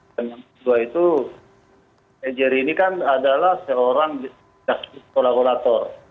yang kedua itu ejeri ini kan adalah seorang jasus kolakulator